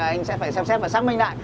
anh sẽ phải xem xét và xác minh lại